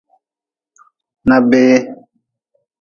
Na bee.